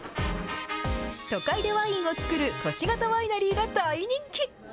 都会でワインを造る都市型ワイナリーが大人気。